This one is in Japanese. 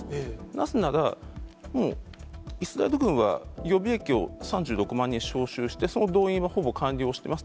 なぜなら、もうイスラエル軍は予備役を３６万人招集して、その動員はほぼ完了してます。